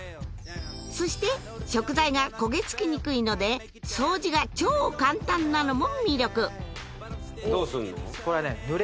そして食材が焦げ付きにくいので掃除が超簡単なのも魅力どうすんの？